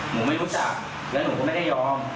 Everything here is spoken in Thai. หนูไม่รู้จักแล้วหนูก็ไม่ได้ยอม